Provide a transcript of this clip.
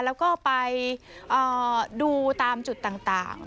แล้วก็ไปดูตามจุดต่าง